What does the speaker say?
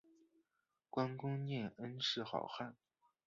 观功念恩是好汉